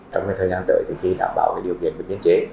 trong thời gian tới thì khi đảm bảo điều kiện của nhân chế